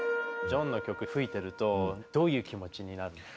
ジョンの曲吹いてるとどういう気持ちになるの？